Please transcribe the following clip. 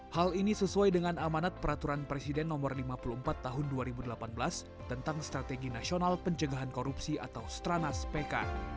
hal ini sesuai dengan amanat peraturan presiden no lima puluh empat tahun dua ribu delapan belas tentang strategi nasional pencegahan korupsi atau stranas pk